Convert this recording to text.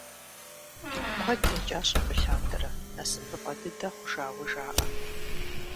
Куэд дэкӏащ абы лъандэрэ, насыпыфӏэ дыдэ хъужауэ жаӏэ.